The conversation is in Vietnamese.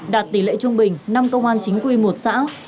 đạt tỷ lệ trung bình năm công an chính quy một xã